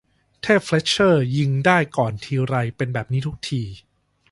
เทพเฟล็ทเชอร์ยิงได้ก่อนทีไร เป็นแบบนี้ทุกที